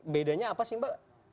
bedanya apa sih mbak